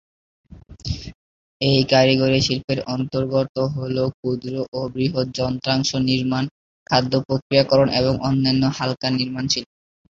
এই কারিগরী শিল্পের অন্তর্গত হল ক্ষুদ্র ও বৃহৎ যন্ত্রাংশ নির্মাণ, খাদ্য প্রক্রিয়াকরণ এবং অন্যান্য হালকা নির্মাণ শিল্প।